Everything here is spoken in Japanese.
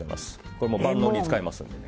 これは万能に使えますので。